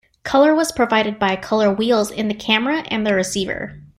Color was provided by color wheels in the camera and the receiver.